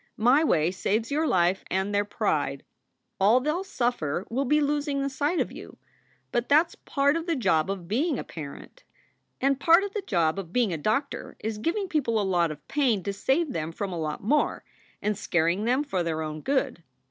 My way saves your life and their pride. All they ll suffer will be losing the sight of you; but that s part of the job of being a parent. "And part of the job of being a doctor is giving people a lot of pain to save them from a lot more, and scaring them for their own good.